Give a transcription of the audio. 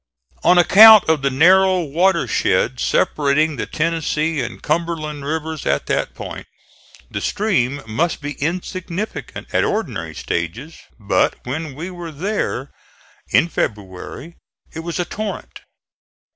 On account of the narrow water shed separating the Tennessee and Cumberland rivers at that point, the stream must be insignificant at ordinary stages, but when we were there, in February, it was a torrent.